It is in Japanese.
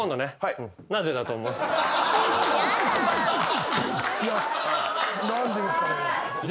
いや何でですかね。